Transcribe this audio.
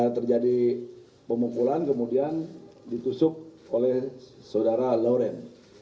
terjadi pemumpulan kemudian ditusuk oleh saudara loren